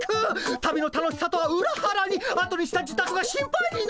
旅の楽しさとはうらはらにあとにした自宅が心配になる。